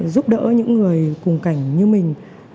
giúp đỡ những người cùng cảnh như mình